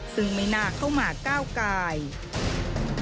ซึ่งไม่น่าเข้ามาก้าวกาย